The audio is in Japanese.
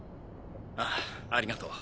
あぁありがとう。